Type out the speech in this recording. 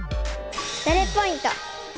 ダレッポイント。